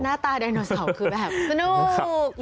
หน้าตาไดโนเสาร์คือแบบสนุก